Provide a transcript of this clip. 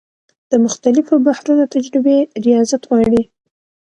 د مختلفو بحرونو تجربې ریاضت غواړي.